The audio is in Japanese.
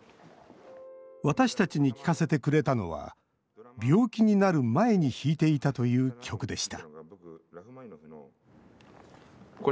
私たちに聞かせてくれたのは病気になる前に弾いていたという曲でした